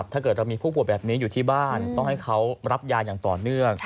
ถ้าเกิดเรามีผู้ป่วยแบบนี้อยู่ที่บ้านต้องให้เขารับยาอย่างต่อเนื่อง